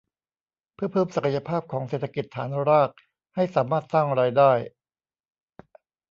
เพื่อเพิ่มศักยภาพของเศรษฐกิจฐานรากให้สามารถสร้างรายได้